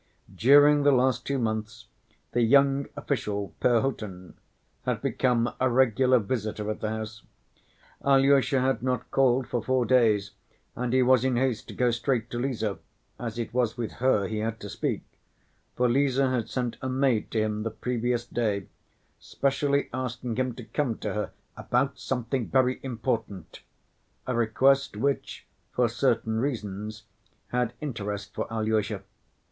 During the last two months the young official, Perhotin, had become a regular visitor at the house. Alyosha had not called for four days and he was in haste to go straight to Lise, as it was with her he had to speak, for Lise had sent a maid to him the previous day, specially asking him to come to her "about something very important," a request which, for certain reasons, had interest for Alyosha.